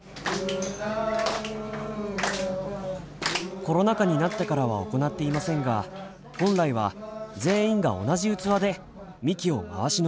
コロナ禍になってからは行っていませんが本来は全員が同じ器でみきを回し飲みします。